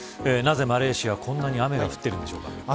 なぜ、マレーシア、こんなに雨が降っているんでしょうか。